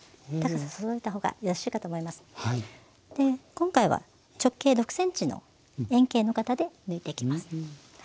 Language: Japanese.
今回は直径６ｃｍの円形の型で抜いていきます。